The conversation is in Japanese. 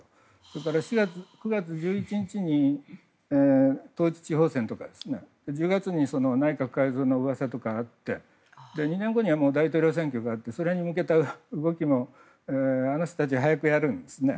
だから９月１１日に統一地方選とか１０月に内閣改造の噂とかあって２年後には大統領選挙があってそれに向けた動きもあの人たちは早くやるんですね。